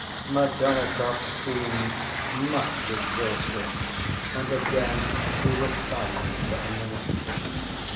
Smerdyakov seemed much exhausted, and again he was silent for a minute.